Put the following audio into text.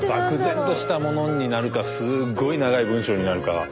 漠然としたものになるかすごい長い文章になるか。